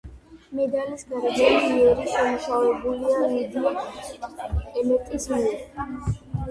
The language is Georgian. მედალის გარეგანი იერი შემუშავებულია ლიდია ემეტის მიერ.